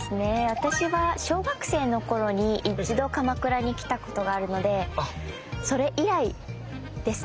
私は小学生の頃に一度鎌倉に来たことがあるのでそれ以来ですね。